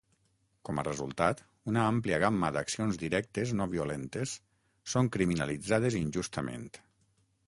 Com a resultat, una àmplia gamma d’accions directes no violentes són criminalitzades injustament.